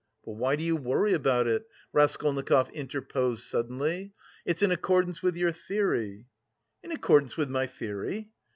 "But why do you worry about it?" Raskolnikov interposed suddenly. "It's in accordance with your theory!" "In accordance with my theory?"